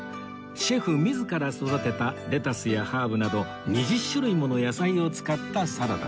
シェフ自ら育てたレタスやハーブなど２０種類もの野菜を使ったサラダです